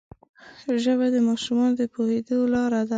ژبه د ماشومانو د پوهېدو لاره ده